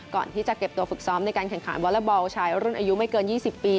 ก่อนที่จะเก็บตัวฝึกซ้อมในการแข่งขันวอเลอร์บอลชายรุ่นอายุไม่เกิน๒๐ปี